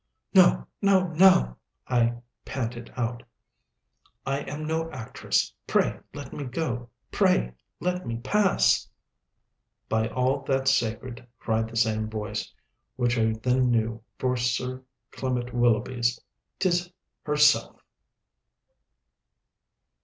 "No, no, no, " I panted out, "I am no actress pray let me go, pray let me pass " "By all that's sacred," cried the same voice, which I then knew for Sir Clement Willoughby's, "'tis herself!"